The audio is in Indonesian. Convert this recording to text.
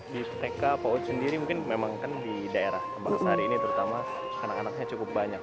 di tk paud sendiri mungkin memang kan di daerah bang sari ini terutama anak anaknya cukup banyak